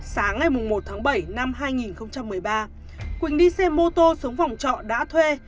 sáng ngày một tháng bảy năm hai nghìn một mươi ba quỳnh đi xe mô tô xuống phòng trọ đã thuê